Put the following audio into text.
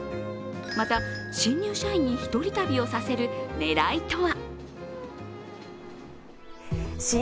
また、新入社員に１人旅をさせる狙いとは？